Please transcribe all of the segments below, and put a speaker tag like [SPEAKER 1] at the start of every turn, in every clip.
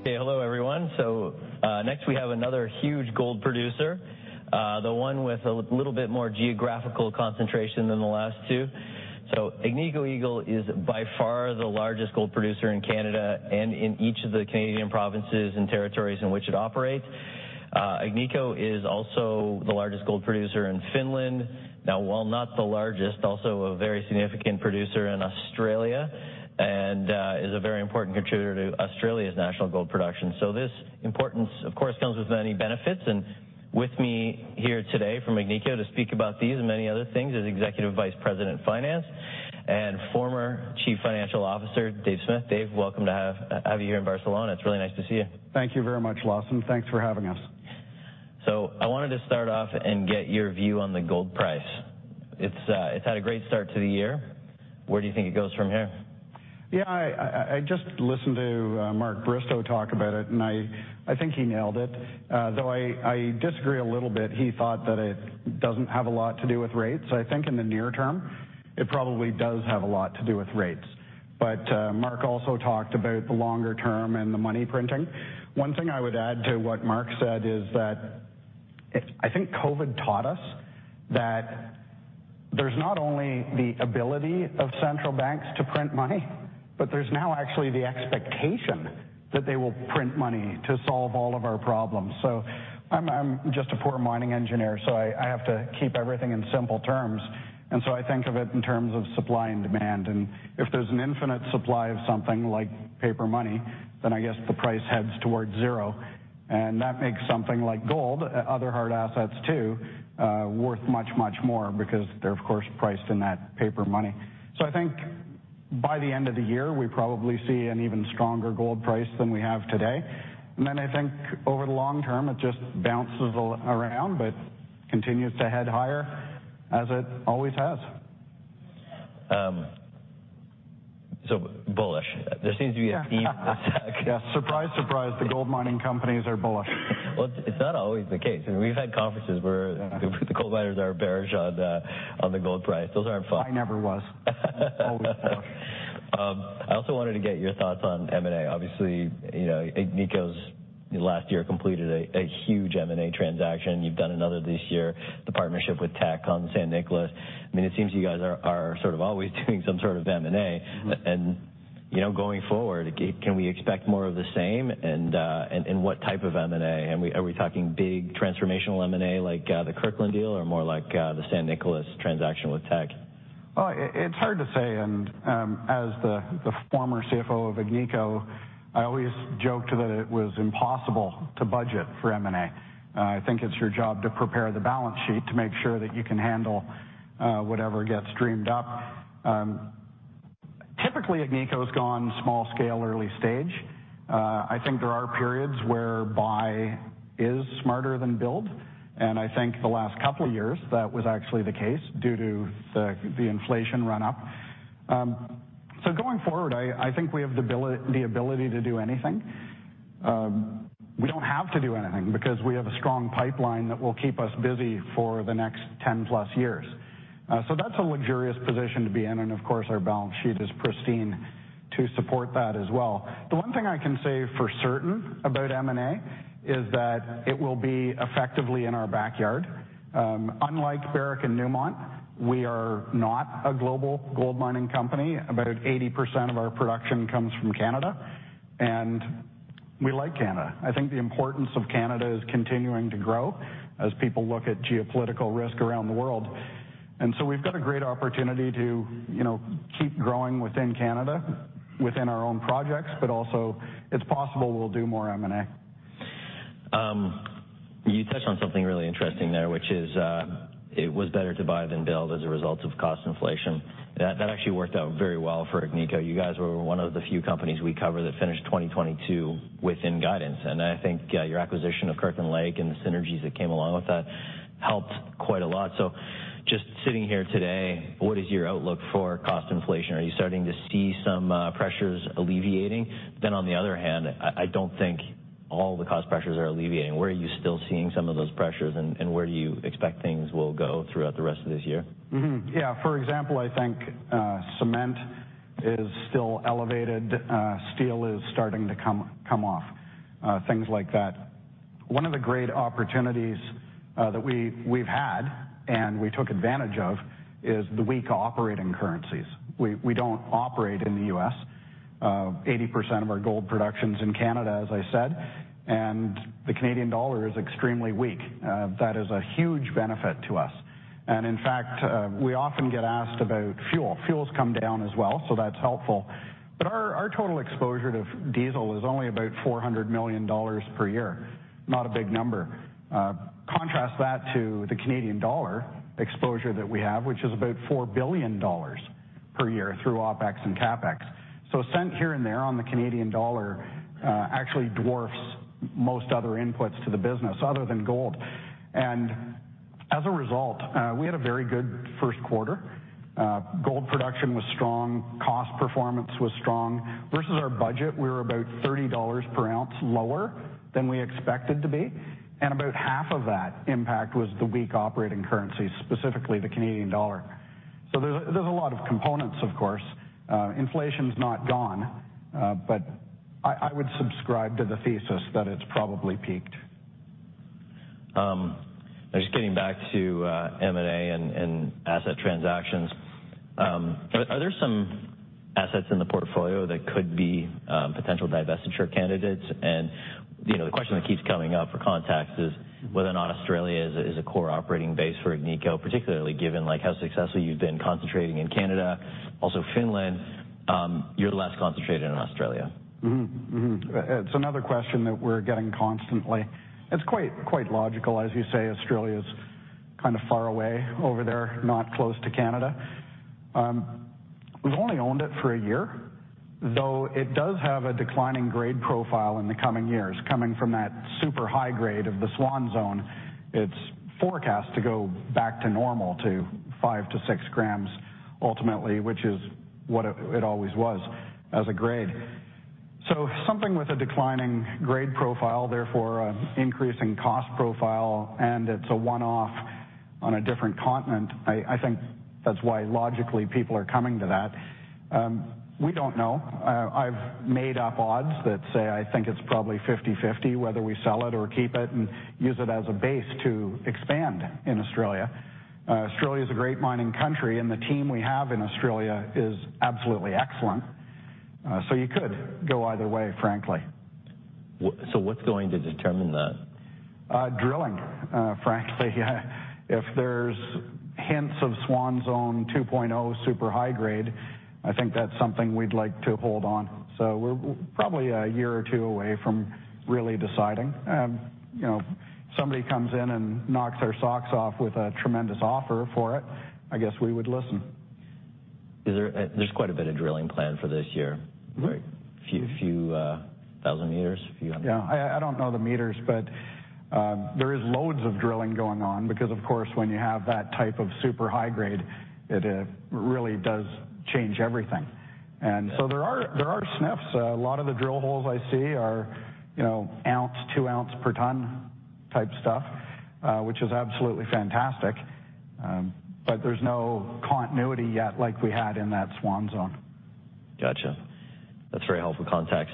[SPEAKER 1] Okay, hello everyone. Next we have another huge gold producer, the one with a little bit more geographical concentration than the last two. Agnico Eagle is by far the largest gold producer in Canada and in each of the Canadian provinces and territories in which it operates. Agnico is also the largest gold producer in Finland. While not the largest, also a very significant producer in Australia, and is a very important contributor to Australia's national gold production. This importance, of course, comes with many benefits. With me here today from Agnico to speak about these and many other things is Executive Vice President, Finance, and former Chief Financial Officer, Dave Smith. Dave, welcome to have you here in Barcelona. It's really nice to see you.
[SPEAKER 2] Thank you very much, Lawson. Thanks for having us.
[SPEAKER 1] I wanted to start off and get your view on the gold price. It's had a great start to the year. Where do you think it goes from here?
[SPEAKER 2] Yeah. I, I just listened to Mark Bristow talk about it, and I think he nailed it. Though I disagree a little bit. He thought that it doesn't have a lot to do with rates. I think in the near term, it probably does have a lot to do with rates. Mark also talked about the longer term and the money printing. One thing I would add to what Mark said is that I think COVID taught us that there's not only the ability of central banks to print money, but there's now actually the expectation that they will print money to solve all of our problems. I'm just a poor mining engineer, so I have to keep everything in simple terms. I think of it in terms of supply and demand. If there's an infinite supply of something like paper money, then I guess the price heads towards zero. That makes something like gold, other hard assets too, worth much, much more because they're of course priced in that paper money. I think by the end of the year, we probably see an even stronger gold price than we have today. Then I think over the long term, it just bounces around but continues to head higher as it always has.
[SPEAKER 1] Bullish. There seems to be a theme this.
[SPEAKER 2] Yeah. Surprise, surprise, the gold mining companies are bullish.
[SPEAKER 1] Well, it's not always the case. We've had conferences where the gold miners are bearish on the gold price. Those aren't fun.
[SPEAKER 2] I never was. Always bullish.
[SPEAKER 1] I also wanted to get your thoughts on M&A. Obviously, you know, Agnico's last year completed a huge M&A transaction. You've done another this year, the partnership with Teck on San Nicolás. I mean, it seems you guys are sort of always doing some sort of M&A.
[SPEAKER 2] Mm-hmm.
[SPEAKER 1] You know, going forward, can we expect more of the same? And what type of M&A? Are we talking big transformational M&A like the Kirkland deal or more like the San Nicolás transaction with Teck?
[SPEAKER 2] Well, it's hard to say. As the former CFO of Agnico, I always joked that it was impossible to budget for M&A. I think it's your job to prepare the balance sheet to make sure that you can handle whatever gets dreamed up. Typically, Agnico's gone small scale, early stage. I think there are periods where buy is smarter than build, and I think the last couple years that was actually the case due to the inflation run up. Going forward, I think we have the ability to do anything. We don't have to do anything because we have a strong pipeline that will keep us busy for the next 10+ years. That's a luxurious position to be in, and of course, our balance sheet is pristine to support that as well. The one thing I can say for certain about M&A is that it will be effectively in our backyard. Unlike Barrick and Newmont, we are not a global gold mining company. About 80% of our production comes from Canada. We like Canada. I think the importance of Canada is continuing to grow as people look at geopolitical risk around the world. We've got a great opportunity to, you know, keep growing within Canada, within our own projects, but also it's possible we'll do more M&A.
[SPEAKER 1] You touched on something really interesting there, which is, it was better to buy than build as a result of cost inflation. That actually worked out very well for Agnico. You guys were one of the few companies we cover that finished 2022 within guidance. I think, your acquisition of Kirkland Lake and the synergies that came along with that helped quite a lot. Just sitting here today, what is your outlook for cost inflation? Are you starting to see some pressures alleviating? On the other hand, I don't think all the cost pressures are alleviating. Where are you still seeing some of those pressures, and where do you expect things will go throughout the rest of this year?
[SPEAKER 2] Yeah. For example, I think cement is still elevated. Steel is starting to come off. Things like that. One of the great opportunities that we've had and we took advantage of is the weak operating currencies. We don't operate in the U.S. 80% of our gold production's in Canada, as I said, and the Canadian dollar is extremely weak. That is a huge benefit to us. We often get asked about fuel. Fuel's come down as well, so that's helpful. Our total exposure to diesel is only about $400 million per year. Not a big number. Contrast that to the Canadian dollar exposure that we have, which is about $4 billion per year through OpEx and CapEx. A $0.01 here and there on the Canadian dollar, actually dwarfs most other inputs to the business other than gold. As a result, we had a very good first quarter. Gold production was strong, cost performance was strong. Versus our budget, we were about $30 per ounce lower than we expected to be, and about half of that impact was the weak operating currency, specifically the Canadian dollar. There's, there's a lot of components, of course. Inflation's not gone, but I would subscribe to the thesis that it's probably peaked.
[SPEAKER 1] Just getting back to M&A and asset transactions, are there some assets in the portfolio that could be potential divestiture candidates? You know, the question that keeps coming up for context is whether or not Australia is a core operating base for Agnico, particularly given, like, how successful you've been concentrating in Canada, also Finland, you're less concentrated in Australia.
[SPEAKER 2] It's another question that we're getting constantly. It's quite logical. As you say, Australia's kind of far away over there, not close to Canada. We've only owned it for a year, though it does have a declining grade profile in the coming years, coming from that super high grade of the Swan Zone. It's forecast to go back to normal, to 5 g-6 g ultimately, which is what it always was as a grade. Something with a declining grade profile, therefore an increasing cost profile, and it's a one-off on a different continent, I think that's why, logically, people are coming to that. We don't know. I've made up odds that say I think it's probably 50/50 whether we sell it or keep it and use it as a base to expand in Australia. Australia's a great mining country, and the team we have in Australia is absolutely excellent. You could go either way, frankly.
[SPEAKER 1] What's going to determine that?
[SPEAKER 2] Drilling, frankly. If there's hints of Swan Zone 2.0 super high grade, I think that's something we'd like to hold on. We're probably a year or two away from really deciding. You know, if somebody comes in and knocks our socks off with a tremendous offer for it, I guess we would listen.
[SPEAKER 1] Is there's quite a bit of drilling planned for this year.
[SPEAKER 2] Right.
[SPEAKER 1] A few 1,000 m, a few 100 m?
[SPEAKER 2] Yeah. I don't know the meters, but, there is loads of drilling going on because, of course, when you have that type of super high grade, it, really does change everything. There are, there are sniffs. A lot of the drill holes I see are, you know, ounce, 2 ounce per ton type stuff, which is absolutely fantastic. There's no continuity yet like we had in that Swan Zone.
[SPEAKER 1] Gotcha. That's very helpful context.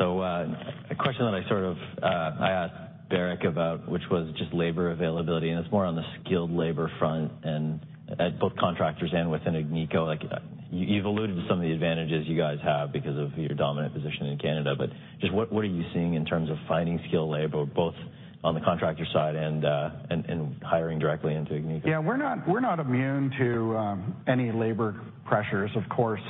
[SPEAKER 1] A question that I sort of asked Barrick about, which was just labor availability, and it's more on the skilled labor front and at both contractors and within Agnico. Like, you've alluded to some of the advantages you guys have because of your dominant position in Canada. Just what are you seeing in terms of finding skilled labor, both on the contractor side and hiring directly into Agnico?
[SPEAKER 2] Yeah. We're not, we're not immune to any labor pressures, of course.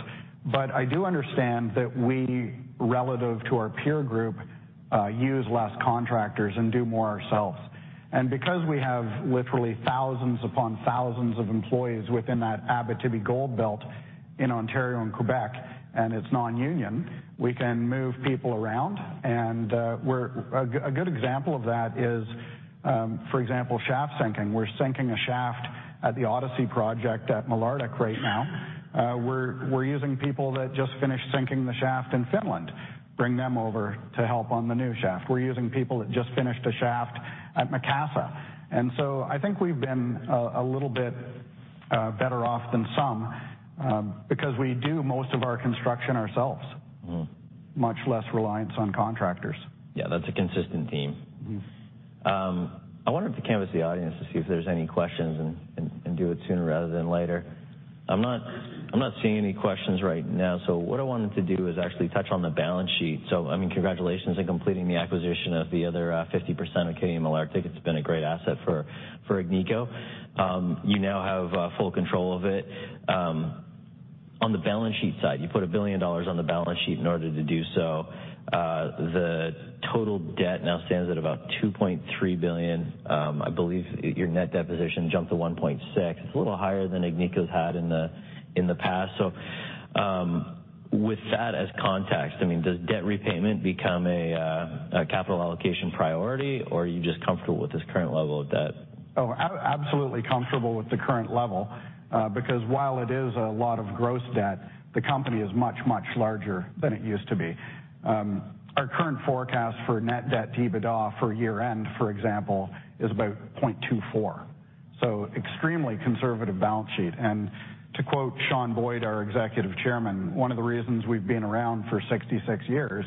[SPEAKER 2] I do understand that we, relative to our peer group, use less contractors and do more ourselves. Because we have literally thousands upon thousands of employees within that Abitibi Gold Belt in Ontario and Quebec, and it's non-union, we can move people around. A good example of that is, for example, shaft sinking. We're sinking a shaft at the Odyssey project at Malartic right now. We're using people that just finished sinking the shaft in Finland, bring them over to help on the new shaft. We're using people that just finished a shaft at Macassa. I think we've been a little bit better off than some because we do most of our construction ourselves.
[SPEAKER 1] Mm-hmm.
[SPEAKER 2] Much less reliance on contractors.
[SPEAKER 1] Yeah. That's a consistent theme.
[SPEAKER 2] Mm-hmm.
[SPEAKER 1] I wanted to canvas the audience to see if there's any questions and do it sooner rather than later. I'm not seeing any questions right now, so what I wanted to do is actually touch on the balance sheet. I mean, congratulations on completing the acquisition of the other 50% of Canadian Malartic. It's been a great asset for Agnico. You now have full control of it. On the balance sheet side, you put $1 billion on the balance sheet in order to do so. The total debt now stands at about $2.3 billion. I believe your net debt position jumped to $1.6 billion. It's a little higher than Agnico's had in the past. With that as context, I mean, does debt repayment become a capital allocation priority, or are you just comfortable with this current level of debt?
[SPEAKER 2] Absolutely comfortable with the current level because while it is a lot of gross debt, the company is much, much larger than it used to be. Our current forecast for net debt to EBITDA for year-end, for example, is about 0.24, so extremely conservative balance sheet. To quote Sean Boyd, our Executive Chairman, one of the reasons we've been around for 66 years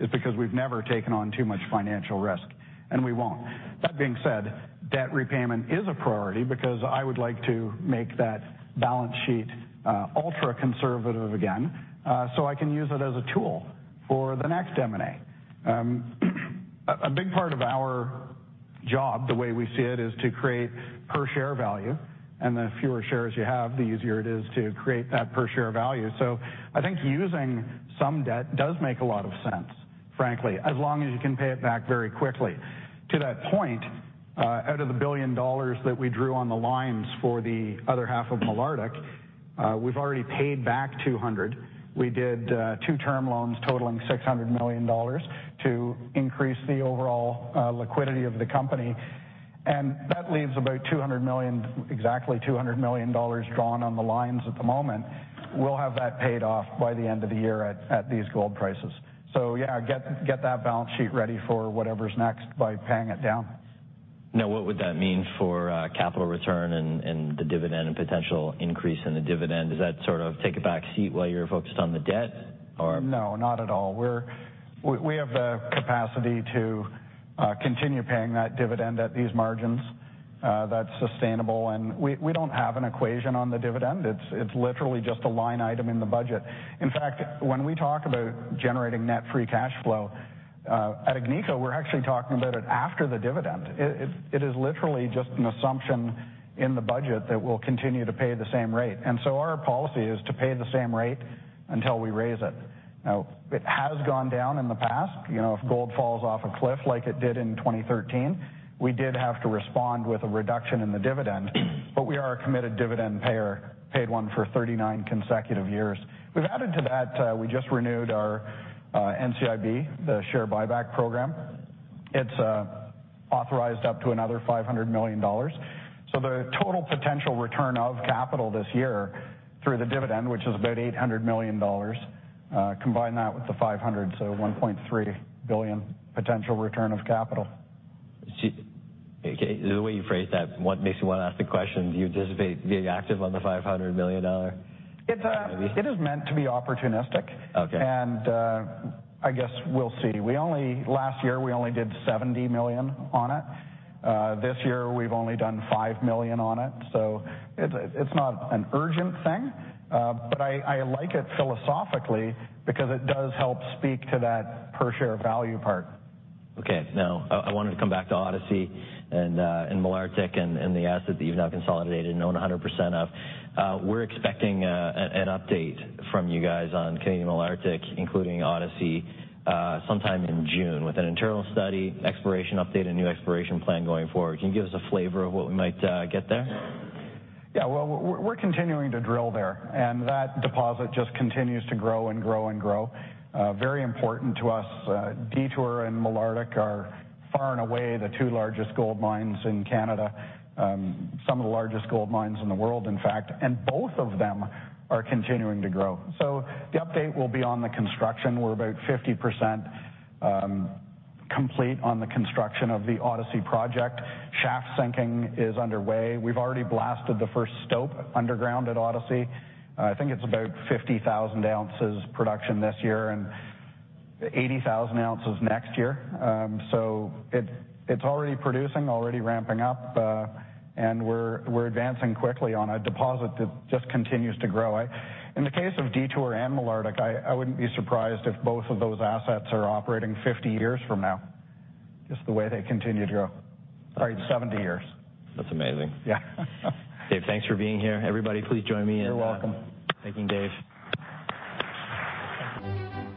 [SPEAKER 2] is because we've never taken on too much financial risk, and we won't. That being said, debt repayment is a priority because I would like to make that balance sheet ultra-conservative again so I can use it as a tool for the next M&A. A big part of our job, the way we see it, is to create per share value. The fewer shares you have, the easier it is to create that per share value. I think using some debt does make a lot of sense, frankly, as long as you can pay it back very quickly. To that point, out of the $1 billion that we drew on the lines for the other half of Malartic, we've already paid back $200 million. We did two term loans totaling $600 million to increase the overall liquidity of the company, that leaves about $200 million, exactly $200 million drawn on the lines at the moment. We'll have that paid off by the end of the year at these gold prices. Yeah, get that balance sheet ready for whatever's next by paying it down.
[SPEAKER 1] What would that mean for capital return and the dividend and potential increase in the dividend? Does that sort of take a back seat while you're focused on the debt or?
[SPEAKER 2] No, not at all. We have the capacity to continue paying that dividend at these margins, that's sustainable and we don't have an equation on the dividend. It's literally just a line item in the budget. In fact, when we talk about generating net free cash flow at Agnico, we're actually talking about it after the dividend. It is literally just an assumption in the budget that we'll continue to pay the same rate. Our policy is to pay the same rate until we raise it. Now, it has gone down in the past. You know, if gold falls off a cliff like it did in 2013, we did have to respond with a reduction in the dividend. We are a committed dividend payer, paid one for 39 consecutive years. We've added to that, we just renewed our NCIB, the share buyback program. It's authorized up to another $500 million. The total potential return of capital this year through the dividend, which is about $800 million, combine that with the $500 million, so $1.3 billion potential return of capital.
[SPEAKER 1] Okay, the way you phrased that what makes me wanna ask the question, do you anticipate being active on the $500 million?
[SPEAKER 2] It is meant to be opportunistic.
[SPEAKER 1] Okay.
[SPEAKER 2] I guess we'll see. We only last year, we only did $70 million on it. This year we've only done $5 million on it, so it's not an urgent thing. I like it philosophically because it does help speak to that per share value part.
[SPEAKER 1] Okay. I wanted to come back to Odyssey and Malartic and the assets that you've now consolidated and own 100% of. We're expecting an update from you guys on Canadian Malartic, including Odyssey, sometime in June with an internal study, exploration update, a new exploration plan going forward. Can you give us a flavor of what we might get there?
[SPEAKER 2] We're continuing to drill there, and that deposit just continues to grow and grow and grow. Very important to us. Detour and Malartic are far and away the two largest gold mines in Canada. Some of the largest gold mines in the world, in fact, and both of them are continuing to grow. The update will be on the construction. We're about 50% complete on the construction of the Odyssey Project. Shaft sinking is underway. We've already blasted the first stope underground at Odyssey. I think it's about 50,000 ounces production this year and 80,000 ounces next year. It's already producing, already ramping up, and we're advancing quickly on a deposit that just continues to grow. In the case of Detour and Malartic, I wouldn't be surprised if both of those assets are operating 50 years from now, just the way they continue to grow. Sorry, 70 years.
[SPEAKER 1] That's amazing.
[SPEAKER 2] Yeah.
[SPEAKER 1] Dave, thanks for being here. Everybody, please join me.
[SPEAKER 2] You're welcome.
[SPEAKER 1] Thanking Dave.